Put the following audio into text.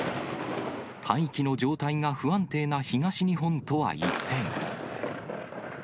大気の状態が不安定な東日本とは一転。